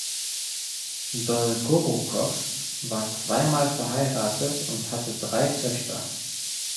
Dolgorukow war zweimal verheiratet und hatte drei Töchter.